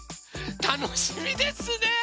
たのしみですね！